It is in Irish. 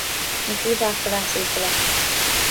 An Príomh-Acht a leasú tuilleadh.